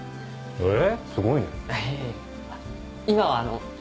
えっ？